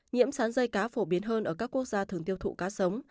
nhiễm sán dây cá phổ biến hơn ở các quốc gia thường tiêu thụ cá sống